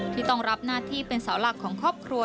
ที่ต้องรับหน้าที่เป็นเสาหลักของครอบครัว